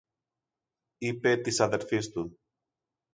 είπε της αδελφής του.